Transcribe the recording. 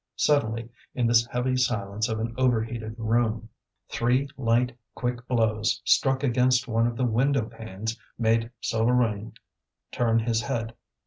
Suddenly, in this heavy silence of an over heated room, three light quick blows struck against one of the window panes made Souvarine turn his head.